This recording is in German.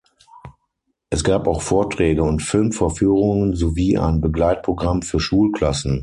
Es gab auch Vorträge und Filmvorführungen sowie ein Begleitprogramm für Schulklassen.